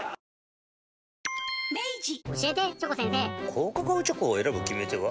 高カカオチョコを選ぶ決め手は？